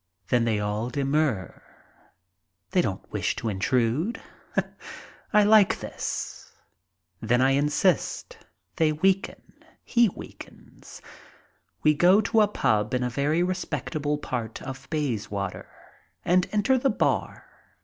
Then they all demur. They don't wish to intrude. I like this. Then I insist. They weaken. He weakens. We go to a pub. in a very respectable part of Bayswater and enter the bar.